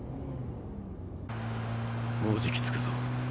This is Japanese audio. もうじき着くぞ。